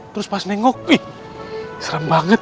terus pas nengok wih serem banget